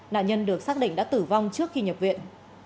nạn nhân được xác định đã tử vong trước khi nhập viện